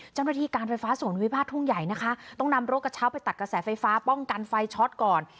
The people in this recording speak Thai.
เจ้าหน้าที่การไฟฟ้าส่วนวิพาททุ่งใหญ่นะคะต้องนำรถกระเช้าไปตัดกระแสไฟฟ้าป้องกันไฟช็อตก่อน